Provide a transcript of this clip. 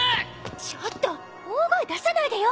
ちょっと大声出さないでよ。